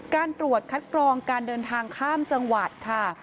การตรวจคัดกรองการเดินทางข้ามจังหวัดค่ะ